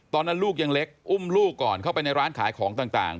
ตอนนั้นลูกยังเล็กอุ้มลูกก่อนเข้าไปในร้านขายของต่าง